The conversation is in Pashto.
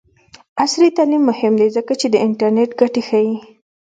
عصري تعلیم مهم دی ځکه چې د انټرنټ ګټې ښيي.